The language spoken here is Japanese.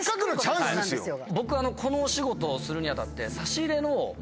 僕このお仕事をするに当たって。